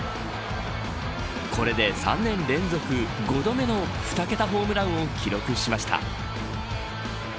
これで３年連続５度目の２桁ホームランを記録しました。